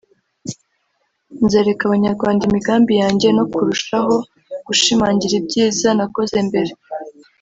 nzereka Abanyarwanda imigambi yanjye no kurushaho gushimangira ibyiza nakoze mbere